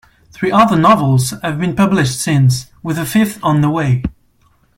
Three other novels have been published since, with a fifth on the way.